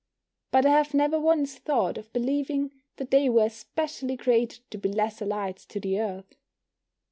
But I have never once thought of believing that they were specially created to be lesser lights to the Earth.